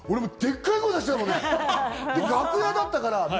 俺もでっかい声出したのね、楽屋だったから。